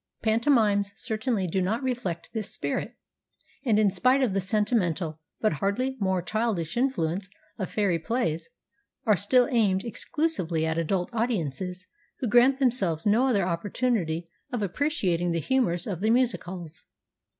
Pantomimes certainly do not reflect this spirit, and, in spite of the sentimental, but hardly more childish influence of fairy plays, are still aimed ex clusively at adult audiences who grant them selves no other opportunity of appreciating the humours of the music halls.